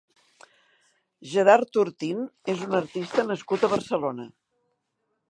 Gerard Ortín és un artista nascut a Barcelona.